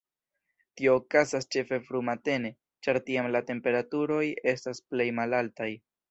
Tio okazas ĉefe frumatene, ĉar tiam la temperaturoj estas plej malaltaj.